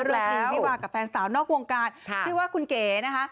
และตัวคลิปที่ว่ากับแฟนสาวนอกวงการชื่อว่าคุณเก๋นะคะ